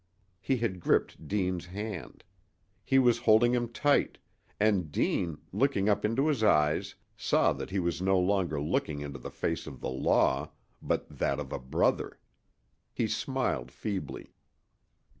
He had gripped Deane's hand. He was holding him tight; and Deane, looking up into his eyes, saw that he was no longer looking into the face of the Law, but that of a brother. He smiled feebly.